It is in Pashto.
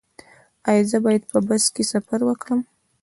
ایا زه باید په بس کې سفر وکړم؟